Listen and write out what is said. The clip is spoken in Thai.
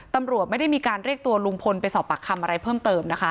ตำรวจไม่ได้มีการเรียกตัวลุงพลไปสอบปากคำอะไรเพิ่มเติมนะคะ